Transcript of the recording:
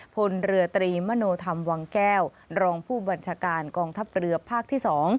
พลเรือตรีมโนธรรมวังแก้วรองผู้บัญชาการกองทัพเรือภาคที่๒